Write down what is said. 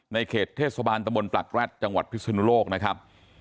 ในเขตเทศบาณตมปลักรัชจังหวัดพิศนโลกนะครับ